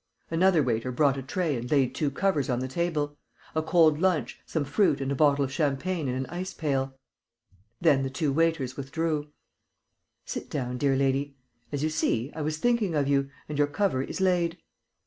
Another waiter brought a tray and laid two covers on the table: a cold lunch, some fruit and a bottle of champagne in an ice pail. Then the two waiters withdrew. "Sit down, dear lady. As you see, I was thinking of you and your cover is laid."